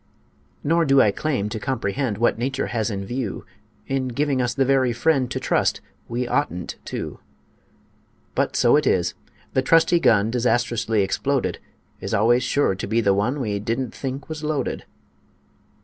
Nor do I claim to comprehend What Nature has in view In giving us the very friend To trust we oughtn't to. But so it is: The trusty gun Disastrously exploded Is always sure to be the one We didn't think was loaded.